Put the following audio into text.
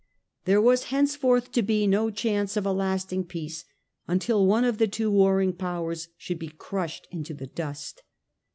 There was henceforth to be no chance of a lasting peace until one of the two warring powers should be crushed into the dust.